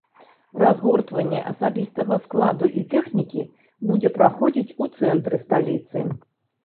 Разгортванне асабістага складу і тэхнікі будзе праходзіць у цэнтры сталіцы.